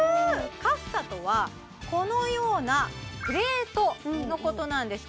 カッサとはこのようなプレートのことなんです